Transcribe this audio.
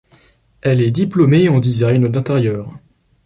Elle est diplômée en design d'intérieur.